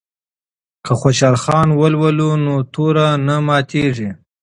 که خوشحال خان ولولو نو توره نه ماتیږي.